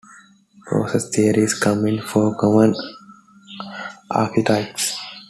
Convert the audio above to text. Process theories come in four common archetypes.